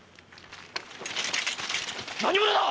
何者だ⁉